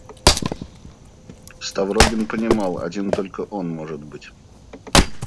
Ставрогин понимал, один только он, может быть.